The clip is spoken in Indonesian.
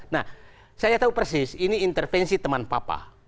nah saya tahu persis ini intervensi teman papa